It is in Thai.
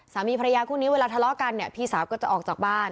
สามีภรรยาคู่นี้เวลาทะเลาะกันเนี่ยพี่สาวก็จะออกจากบ้าน